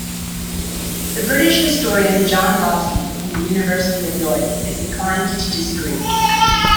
The British historian John Bossy, from the University of York, is inclined to disagree.